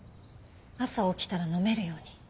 朝起きたら飲めるように。